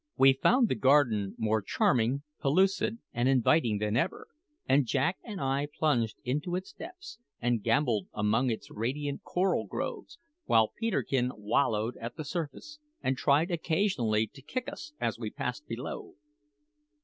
We found the garden more charming, pellucid, and inviting than ever; and Jack and I plunged into its depths and gambolled among its radiant coral groves, while Peterkin wallowed at the surface, and tried occasionally to kick us as we passed below.